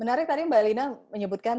menarik tadi mbak lina menyebutkan